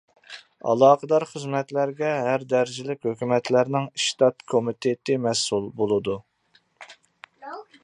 ئالاقىدار خىزمەتلەرگە ھەر دەرىجىلىك ھۆكۈمەتلەرنىڭ ئىشتات كومىتېتى مەسئۇل بولىدۇ.